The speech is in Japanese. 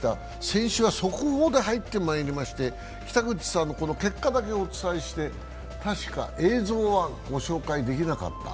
先週は速報で入ってきまして北口さんの結果だけお伝えして、たしか映像はご紹介できなかった。